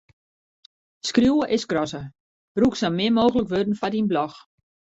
Skriuwe is skrasse: brûk sa min mooglik wurden foar dyn blog.